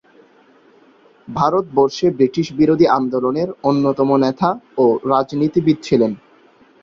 ভারতবর্ষে ব্রিটিশবিরোধী আন্দোলনের অন্যতম নেতা ও রাজনীতিবিদ ছিলেন।